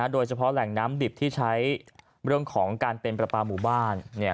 โดยเฉพาะแหล่งน้ำดิบที่ใช้เรื่องของการเป็นประปาหมู่บ้าน